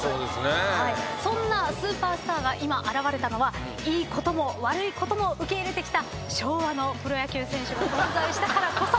そんなスーパースターが今現れたのはいいことも悪いことも受け入れてきた昭和のプロ野球選手が存在したからこそ。